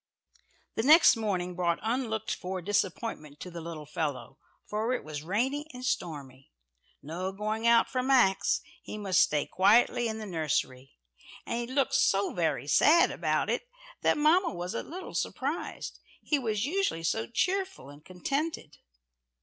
The next morning brought unlooked for disappointment to the little fellow, for it was rainy and stormy. No going out for Max he must stay quietly in the nursery. And he looked so very sad about it that mamma was a little surprised: he was usually so cheerful and contented.